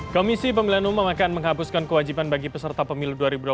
komisi pemilihan umum akan menghapuskan kewajiban bagi peserta pemilu dua ribu dua puluh